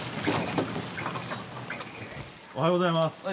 おはようございます。